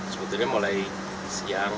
sebetulnya mulai siang